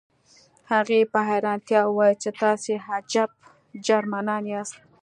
هغې په حیرانتیا وویل چې تاسې عجب جرمنان یاست